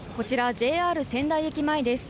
ＪＲ仙台駅前です。